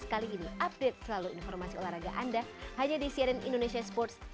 kali ini update selalu informasi olahraga anda hanya di cnn indonesia sports